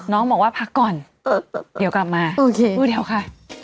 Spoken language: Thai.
น้องบอกว่าพักก่อนเดี๋ยวกลับมาโอเคดูเดี๋ยวค่ะ